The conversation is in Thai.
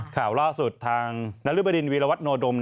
ข่าวล่าสุดทางนรึบดินวีรวัตโนดม